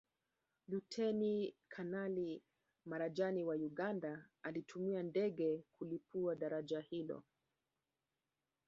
Luteni Kanali Marajani wa Uganda alitumia ndege kulipua daraja hilo